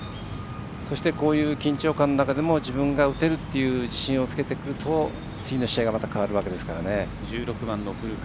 そして、こういう緊張感の中でも自分が打てるという自信をつけてくると次の試合が１６番の古川。